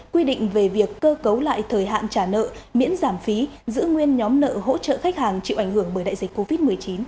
quy định về việc cơ cấu lại thời hạn trả nợ miễn giảm phí giữ nguyên nhóm nợ hỗ trợ khách hàng chịu ảnh hưởng bởi đại dịch covid một mươi chín